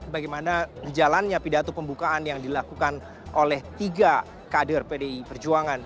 bagaimana jalannya pidato pembukaan yang dilakukan oleh tiga kader pdi perjuangan